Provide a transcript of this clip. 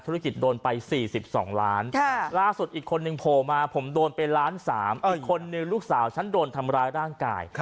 ธุรกิจโดนไป๔๒ล้านที่ล่าสุดอีกคนนึงโอมาผมโดนเป็นล้านสามคนหนึ่งลูกสาวฉันโดนทำร้ายร่างกาย